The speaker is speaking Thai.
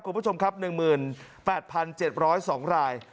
คุณผู้ชมครับ๑๘๗๐๒ราย